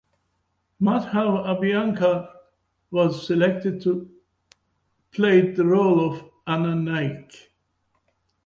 Madhav Abhyankar was selected to played the role of Anna Naik.